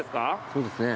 そうですね。